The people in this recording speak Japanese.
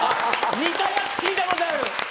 似たやつ聞いたことある。